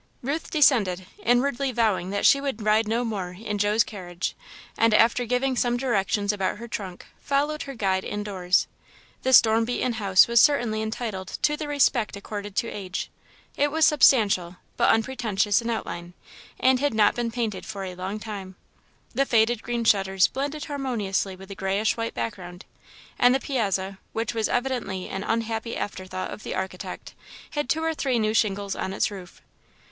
Ruth descended, inwardly vowing that she would ride no more in Joe's carriage, and after giving some directions about her trunk, followed her guide indoors. The storm beaten house was certainly entitled to the respect accorded to age. It was substantial, but unpretentious in outline, and had not been painted for a long time. The faded green shutters blended harmoniously with the greyish white background, and the piazza, which was evidently an unhappy afterthought of the architect, had two or three new shingles on its roof.